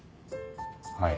はい。